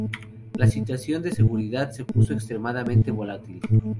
La situación de seguridad se puso extremadamente volátil.